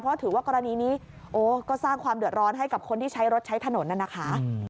เพราะถือว่ากรณีนี้โอ้ก็สร้างความเดือดร้อนให้กับคนที่ใช้รถใช้ถนนน่ะนะคะ